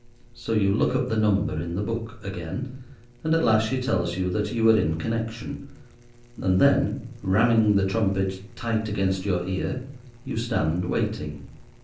So you look up the number in the book again, and at last she tells you that you are in connection; and then, ramming the trumpet tight against your ear, you stand waiting.